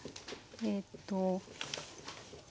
えっと。